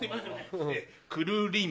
くるりんぱ。